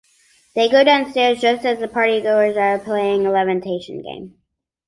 They go downstairs just as the party-goers are playing a levitation game.